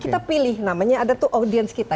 kita pilih namanya ada tuh audience kita